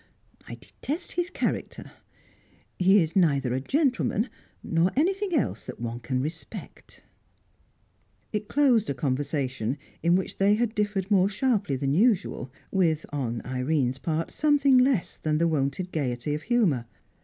"I detest his character. He is neither a gentleman, nor anything else that one can respect." It closed a conversation in which they had differed more sharply than usual, with on Irene's part something less than the wonted gaiety of humour.